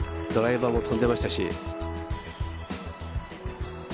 ドライバーも飛んでましたし。